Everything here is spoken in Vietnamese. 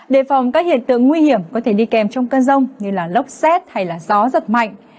đề phòng các hiện tượng nguy hiểm có thể đi kèm trong cơn rông như lốc xét hay gió giật mạnh